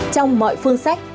trong mọi phương sách